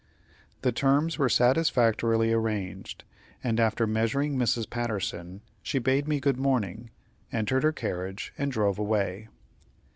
The terms were satisfactorily arranged, and after measuring Mrs. Patterson, she bade me good morning, entered her carriage, and drove away.